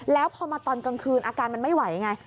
แล้วพอมาตอนกลางคืนอาการมันไม่ไหวไง